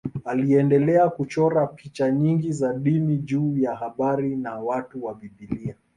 Aliendelea kuchora picha nyingi za dini juu ya habari na watu wa Biblia.